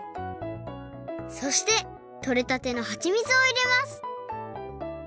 そしてとれたてのはちみつをいれます